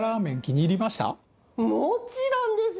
もちろんですよ！